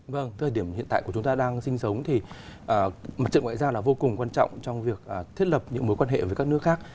vâng thời điểm hiện tại của chúng ta đang sinh sống thì mặt trận ngoại giao là vô cùng quan trọng trong việc thiết lập những mối quan hệ với các nước khác